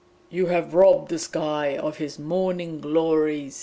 'You have robbed the sky of his morning glories!'